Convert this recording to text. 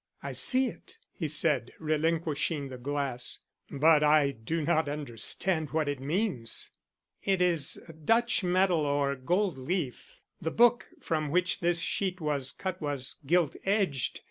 "I see it," he said, relinquishing the glass. "But I do not understand what it means." "It is Dutch metal or gold leaf. The book from which this sheet was cut was gilt edged.